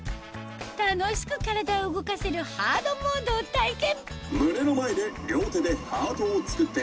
楽しく体を動かせるハードモードを体験